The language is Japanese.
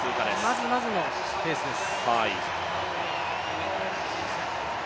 まずまずのペースです。